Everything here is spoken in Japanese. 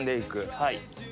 はい。